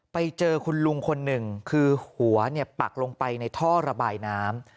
ไปเจอคุณลุงคนหนึ่งคือหัวปักลงไปในท่อระบายน้ำ